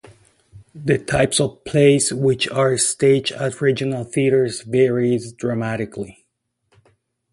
The types of plays which are staged at regional theaters varies dramatically.